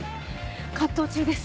葛藤中です。